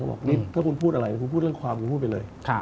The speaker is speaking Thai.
บอกนี่ถ้าคุณพูดอะไรคุณพูดเรื่องความคุณพูดไปเลย